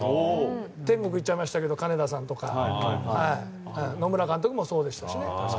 天国行っちゃいましたけど金田さんとか野村監督もそうでしたしね。